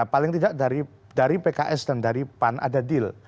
paling tidak dari pks dan dari pan ada deal